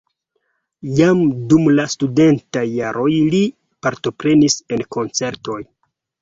Jam dum la studentaj jaroj li partoprenis en koncertoj.